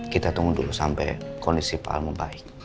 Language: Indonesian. kita tunggu dulu sampe kondisi pak al membaik